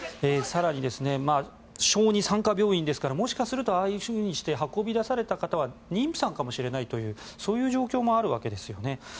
更に、小児・産科病院ですからもしかするとああいうふうにして運び出された人は妊婦さんかもしれないというそういう状況もあるわけですよね。